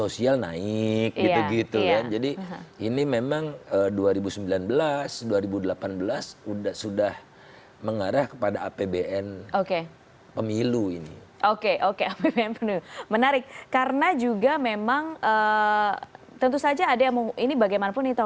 kalau mengikuti harga minyak dunia